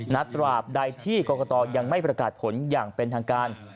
ตราบใดที่กรกตยังไม่ประกาศผลอย่างเป็นทางการ